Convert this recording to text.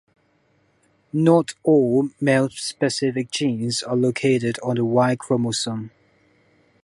Not all male-specific genes are located on the Y-chromosome.